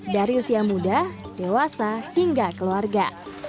dari usia muda dewasa hingga keluarga